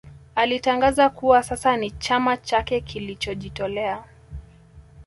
Alitangaza kuwa sasa ni chama chake kilichojitolea